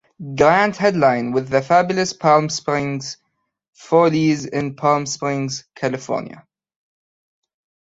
Grant headlined with The Fabulous Palm Springs Follies in Palm Springs, California.